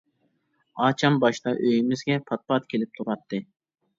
ئاچام باشتا ئۆيىمىزگە پات-پات كېلىپ تۇراتتى.